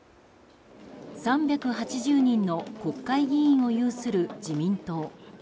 ３８０人の国会議員を有する自民党。